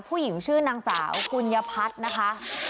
ผู้หญิงชื่อนางสาวกุญญพัฒน์นะคะ